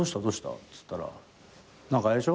っつったら何かあれでしょ？